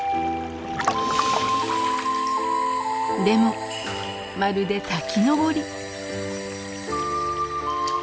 でもまるで滝登り。